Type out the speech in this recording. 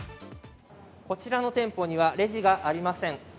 こちらの店舗にはレジがありません。